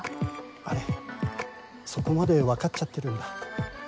あれそこまで分かっちゃってるんだ。